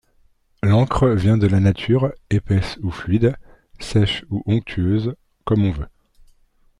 L'encre vient de la Nature, épaisse ou fluide, sèche ou onctueuse, comme on veut.